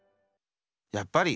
やっぱり。